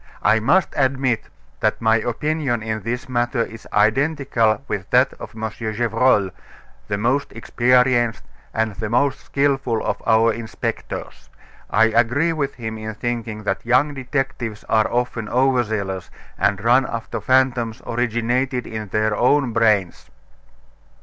I must admit that my opinion in this matter is identical with that of M. Gevrol, the most experienced and the most skilful of our inspectors. I agree with him in thinking that young detectives are often overzealous, and run after fantoms originated in their own brains."